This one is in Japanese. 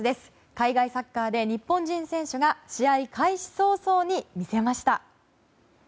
海外サッカーで日本人選手が試合開始早々に見せました。